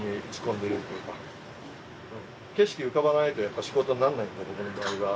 景色浮かばないとやっぱり仕事にならないので僕の場合は。